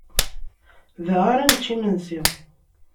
Da ara nečč imensi.